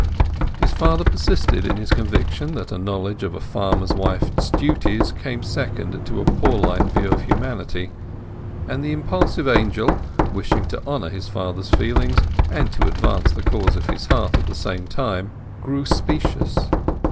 His father persisted in his conviction that a knowledge of a farmer's wife's duties came second to a Pauline view of humanity; and the impulsive Angel, wishing to honour his father's feelings and to advance the cause of his heart at the same time, grew specious.